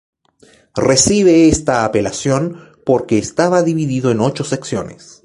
Recibe esta apelación porque estaba dividido en ocho secciones.